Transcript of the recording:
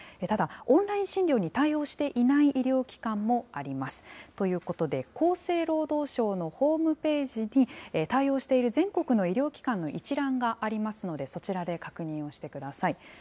ただ、オンライン診療に対応していない医療機関もあります。ということで、厚生労働省のホームページに、対応している全国の医療機関の一覧がありますので、そちらで確認をしてください。